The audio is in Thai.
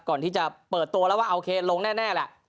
ก่อนที่จะเปิดตัวแล้วว่าโอเคลงแน่แหละ